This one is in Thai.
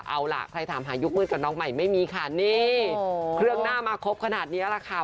เอาล่ะใครถามหายุคมืดกับน้องใหม่ไม่มีค่ะนี่เครื่องหน้ามาครบขนาดนี้แหละค่ะ